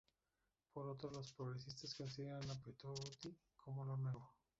Por otro, los progresistas consideran a Pettoruti como lo nuevo.